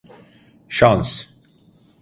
Şans…